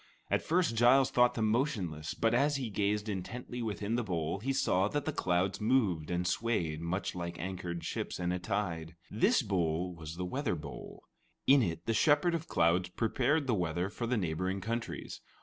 At first, Giles thought them motionless, but as he gazed intently within the bowl, he saw that the clouds moved and swayed much like anchored ships in a tide. This bowl was the weather bowl. In it the Shepherd of Clouds prepared the weather for the neighboring countries.